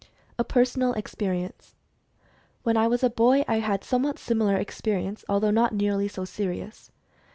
A PERSONAL EXPERIENCE. When I was a boy, I had a somewhat similar experi ence, although not nearly so serious.